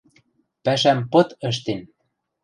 Пӓшӓм пыт ӹштен.